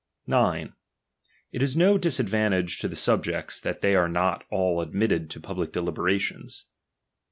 9. It is no disadvantage to the subjects, that they are not all admitted to public deliberations.